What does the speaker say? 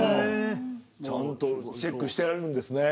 ちゃんとチェックしてはるんですね。